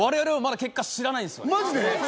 マジで？